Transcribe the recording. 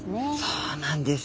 そうなんです。